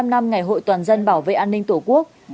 bảy mươi năm năm ngày hội toàn dân bảo vệ an ninh tổ quốc